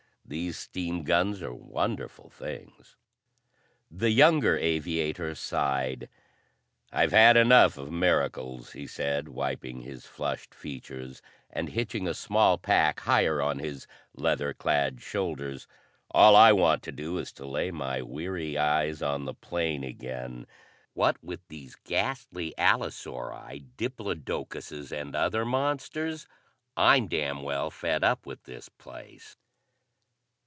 These steam guns are wonderful things." The younger aviator sighed. "I've had enough of miracles," he said wiping his flushed features and hitching a small pack higher on his leather clad shoulders. "All I want to do is to lay my weary eyes on the plane again. What with these ghastly allosauri, diplodocuses and other monsters, I'm damn well fed up with this place."